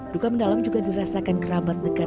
duka mendalam juga dirasakan kerabat dekat